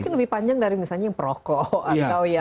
mungkin lebih panjang dari misalnya yang proko atau yang